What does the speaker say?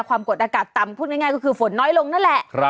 ความกดอากาศต่ำพูดง่ายก็คือฝนน้อยลงนั่นแหละ